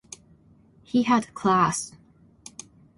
He had class.